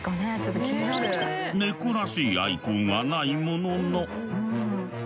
猫らしいアイコンはないものの。